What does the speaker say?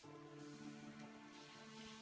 pada ub dengan ikhlas dan lapang dana insyaallah pak